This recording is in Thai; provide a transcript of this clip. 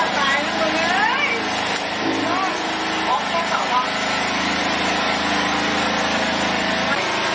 อันดับที่สุดท้ายก็จะเป็น